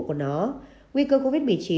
của nó nguy cơ covid một mươi chín